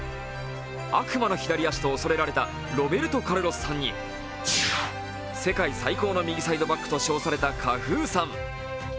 悪魔の左足と恐れられたロベルト・カルロスさんに、世界最高の右サイドバックと称されたカフーさん。